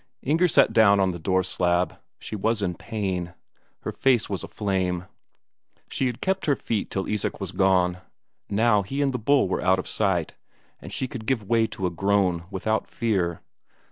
Inger sat down on the door slab. She was in pain; her face was aflame. She had kept her feet till Isak was gone; now he and the bull were out of sight, and she could give way to a groan without fear.